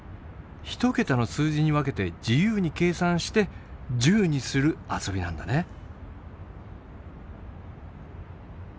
１桁の数字に分けて自由に計算して１０にする遊びなんだね。